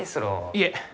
いえ。